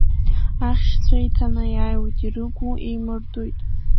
Ахьшьцәа еиҭанеиааиуеит, ирыгу еимырдоит.